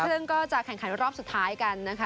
ซึ่งก็จะแข่งขันรอบสุดท้ายกันนะคะ